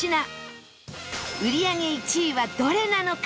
売り上げ１位はどれなのか？